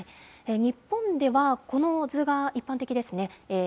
日本では、この図が一般的ですね。